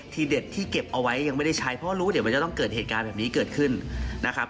เพราะรู้ว่าเดี๋ยวมันจะต้องเกิดเหตุการณ์แบบนี้เกิดขึ้นนะครับ